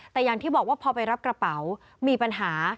แต่อย่างที่บอกว่าพอไปรับกระเป๋ามีปัญหา